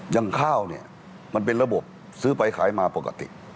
อย่างข้าวเนี่ยมันเป็นระบบซื้อไปขายมาปกติ